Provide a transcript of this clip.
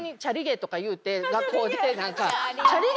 学校で。